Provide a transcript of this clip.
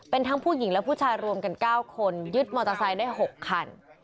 เป็นทั้งผู้หญิงและผู้ชายรวมกัน๙คนยึดมอเตอร์ไซค์ได้๖คัน